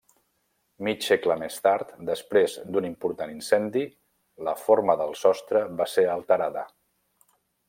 Mig segle més tard, després d'un important incendi, la forma del sostre va ser alterada.